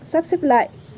sắp xếp lại